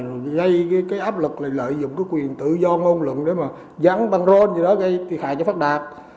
ngay cái áp lực lợi dụng cái quyền tự do ngôn luận để mà dắn băng rôn gì đó gây tì khai cho pháp đạt